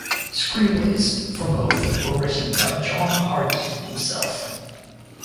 Screenplays for both were written by John Harvey himself.